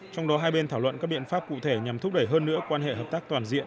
trong đó hai bên thảo luận các biện pháp cụ thể nhằm thúc đẩy hơn nữa quan hệ hợp tác toàn diện